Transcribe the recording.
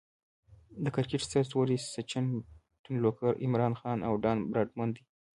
د کرکټ ستر ستوري سچن ټندولکر، عمران خان، او ډان براډمن دي.